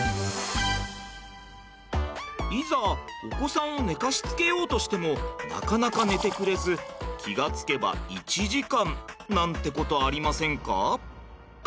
お子さんを寝かしつけようとしてもなかなか寝てくれず気が付けば１時間なんてことありませんか？